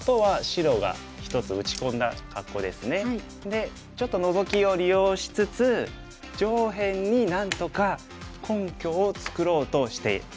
でちょっとノゾキを利用しつつ上辺になんとか根拠を作ろうとしております。